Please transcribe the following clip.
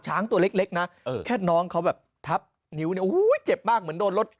ช้างตัวเล็กนะแค่น้องเขาแบบทับนิ้วเนี่ยโอ้โหเจ็บมากเหมือนโดนรถ